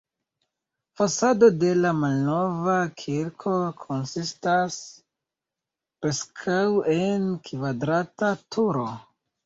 Fasado de la malnova kirko konsistas preskaŭ el kvadrata turo.